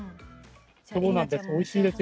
そうなんです。